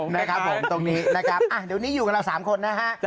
นะครับผมตรงนี้นะครับเดี๋ยวนี้อยู่กับเรา๓คนนะฮะ